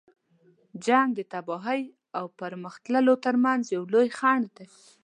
جنګ د تباهۍ او پرمخ تللو تر منځ یو لوی خنډ دی.